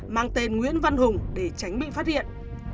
mang tên nguyễn văn hùng để tránh bị phát hiện